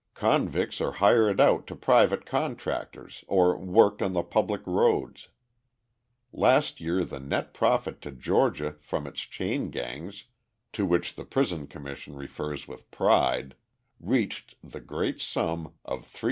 Convicts are hired out to private contractors or worked on the public roads. Last year the net profit to Georgia from its chain gangs, to which the prison commission refers with pride, reached the great sum of $354,853.